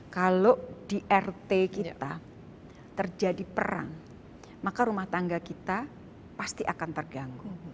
kalau di rt kita terjadi perang maka rumah tangga kita pasti akan terganggu